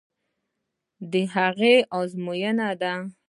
د هغه ازموینې دي.